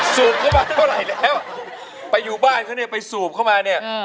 สูบเข้ามาเท่าไหร่แล้วไปอยู่บ้านเขาเนี่ยไปสูบเข้ามาเนี่ย